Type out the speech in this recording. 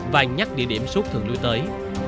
và nhắc địa điểm xuất thường lưu tới